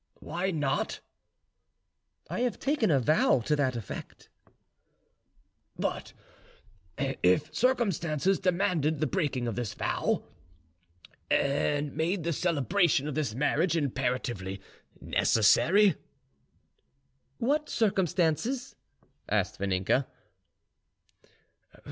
"Why not?" "I have taken a vow to that effect." "But if circumstances demanded the breaking of this vow, and made the celebration of this marriage imperatively necessary?" "What circumstances?" asked Vaninka.